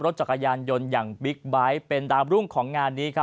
จักรยานยนต์อย่างบิ๊กไบท์เป็นดาวรุ่งของงานนี้ครับ